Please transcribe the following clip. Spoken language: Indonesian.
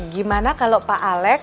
gimana kalau pak alex